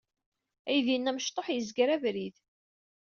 Aydi-nni amecṭuḥ yezger abrid.